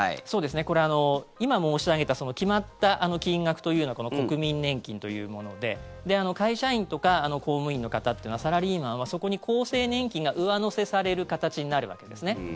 これは、今申し上げた決まった金額というのは国民年金というもので会社員とか公務員の方というのはサラリーマンはそこに厚生年金が上乗せされる形になるわけです。